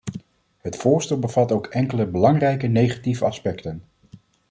Het voorstel bevat ook enkele belangrijke negatieve aspecten.